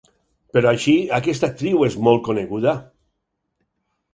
Però així aquesta actriu és molt coneguda?